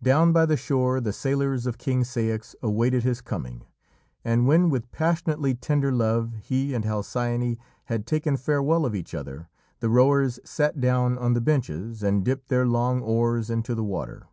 Down by the shore the sailors of King Ceyx awaited his coming, and when with passionately tender love he and Halcyone had taken farewell of each other, the rowers sat down on the benches and dipped their long oars into the water.